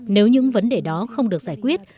nếu những vấn đề đó không được giải quyết